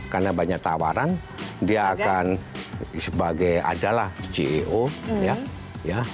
karena banyak tawaran dia akan sebagai adalah ceo ya